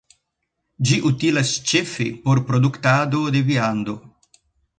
Ĝi utilas ĉefe por produktado de viando.